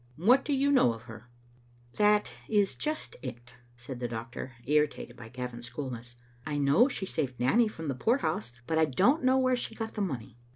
" What do you know of her?" " That is just it," said the doctor, irritated by Gavin's coolness. "I know she saved Nanny from the poor house, but I don't know where she got the money.